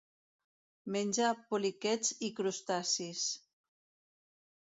Menja poliquets i crustacis.